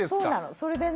それでね